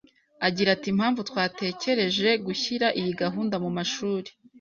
Agira ati “Impamvu twatekereje gushyira iyi gahunda mu mashuri